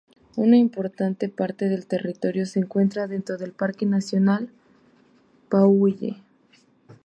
Una importante parte del territorio se encuentra dentro del Parque nacional Puyehue.